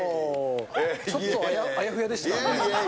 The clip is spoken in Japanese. ちょっと、あやふやでしたね。